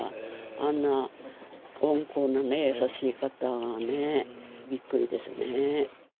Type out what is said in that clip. あんな温厚なね、優しい方がね、びっくりですよね。